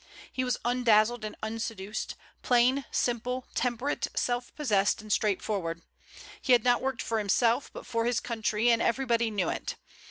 He was undazzled and unseduced; plain, simple, temperate, self possessed, and straightforward. He had not worked for himself, but for his country, and everybody knew it.